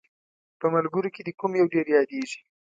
په ملګرو کې دې کوم یو ډېر یادیږي؟